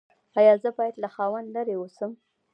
ایا زه باید له خاوند لرې اوسم؟